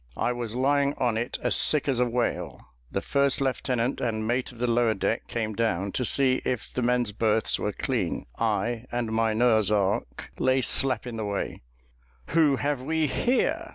I was lying on it as sick as a whale the first lieutenant and mate of the lower deck came down to see if the men's berths were clean; I, and my Noah's ark, lay slap in the way 'Who have we here?'